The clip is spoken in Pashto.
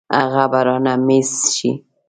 هغه به رانه مېس شي.